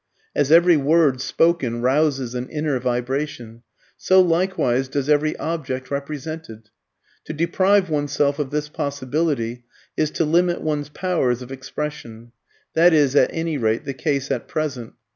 As every word spoken rouses an inner vibration, so likewise does every object represented. To deprive oneself of this possibility is to limit one's powers of expression. That is at any rate the case at present.